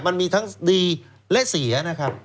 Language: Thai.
มันมีทั้งดีและเสียนะครับ